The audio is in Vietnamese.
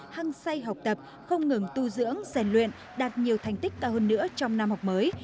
hăng say học tập không ngừng tu dưỡng rèn luyện đạt nhiều thành tích cao hơn nữa trong năm học mới